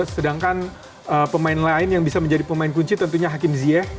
sedangkan pemain lain yang bisa menjadi pemain kunci tentunya hakim zieq